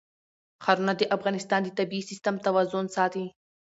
ښارونه د افغانستان د طبعي سیسټم توازن ساتي.